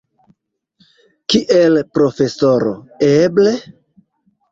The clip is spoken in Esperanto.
Kiel profesoro, eble?